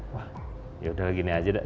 wah yaudah gini aja dah